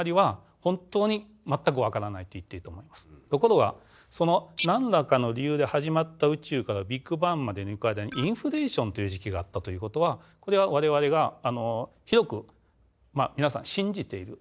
まずところがその何らかの理由ではじまった宇宙からビッグバンまでに行く間にインフレーションという時期があったということはこれは我々が広く皆さん信じている。